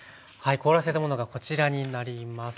凍らせたものがこちらになります。